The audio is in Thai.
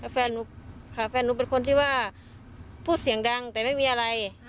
แฟนหนูค่ะแฟนหนูเป็นคนที่ว่าพูดเสียงดังแต่ไม่มีอะไร